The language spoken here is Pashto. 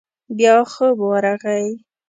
بيا خوب ورغی.